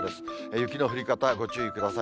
雪の降り方、ご注意ください。